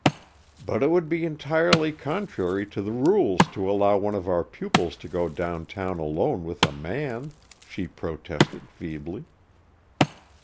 "But it would be entirely contrary to the rules to allow one of our pupils to go down town alone with a man," she protested, feebly.